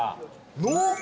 濃厚。